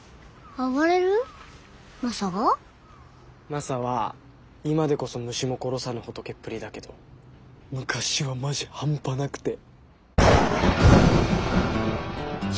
マサは今でこそ虫も殺さぬ仏っぷりだけど昔はマジハンパなくて。